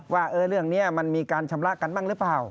ว่าเรื่องนี้มันมีการชำระกันบ้างหรือเปล่า